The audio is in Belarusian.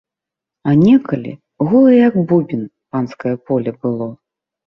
А некалі голае як бубен панскае поле было.